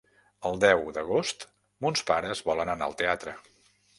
El deu d'agost mons pares volen anar al teatre.